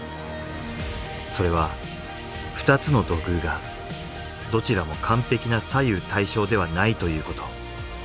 それは２つの土偶がどちらも完璧な左右対称ではないということ。